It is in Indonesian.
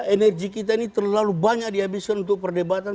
energi kita ini terlalu banyak dihabiskan untuk perdebatan